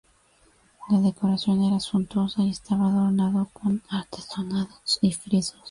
La decoración era suntuosa y estaba adornado con artesonados y frisos.